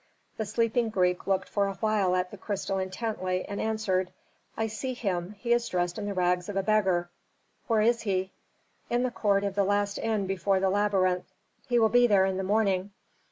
The sleeping Greek looked for a while at the crystal intently, and answered, "I see him he is dressed in the rags of a beggar." "Where is he?" "In the court of the last inn before the labyrinth. He will be there in the morning."